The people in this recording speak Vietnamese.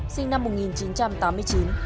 sinh năm một nghìn chín trăm tám mươi chín